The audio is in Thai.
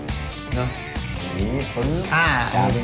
ตอนนี้เราใช้เบอร์๐๐๐